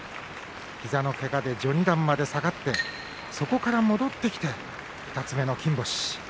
膝のけがで序二段まで下がって戻ってきて２つ目の金星。